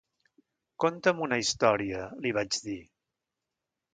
Conta'm una història, li vaig dir.